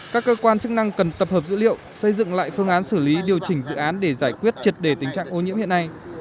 các cơ quan chức năng cần tập hợp dữ liệu xây dựng lại phương án xử lý điều chỉnh dự án để giải quyết triệt đề tình trạng ô nhiễm hiện nay